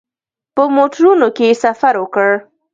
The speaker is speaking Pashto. په موټرونو کې سفر وکړ.